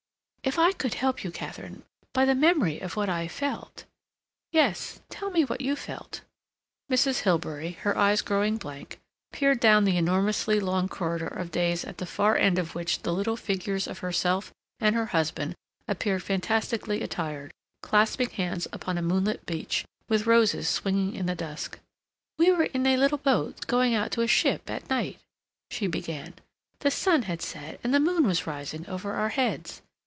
"If I could help you, Katharine, by the memory of what I felt—" "Yes, tell me what you felt." Mrs. Hilbery, her eyes growing blank, peered down the enormously long corridor of days at the far end of which the little figures of herself and her husband appeared fantastically attired, clasping hands upon a moonlit beach, with roses swinging in the dusk. "We were in a little boat going out to a ship at night," she began. "The sun had set and the moon was rising over our heads.